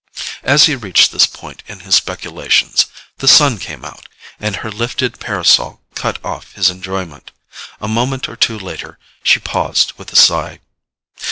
As he reached this point in his speculations the sun came out, and her lifted parasol cut off his enjoyment. A moment or two later she paused with a sigh.